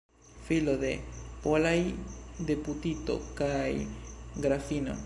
Filo de polaj deputito kaj grafino.